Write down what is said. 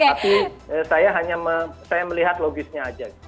tapi saya hanya melihat logisnya saja